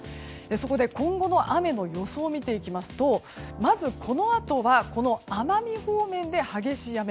そこで今後の雨の予想を見ていきますとまず、このあとは奄美方面で激しい雨。